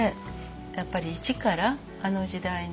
やっぱり一からあの時代の人をね